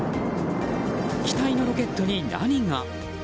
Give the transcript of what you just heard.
期待のロケットに何が？